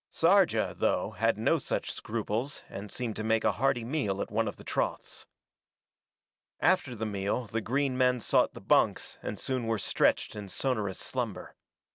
Sarja, though, had no such scruples and seemed to make a hearty meal at one of the troughs. After the meal the green men sought the bunks and soon were stretched in sonorous slumber.